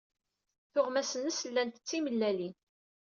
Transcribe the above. Tuɣmas-nnes llant d timellalin.